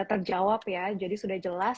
terjawab ya jadi sudah jelas